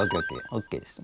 ＯＫです。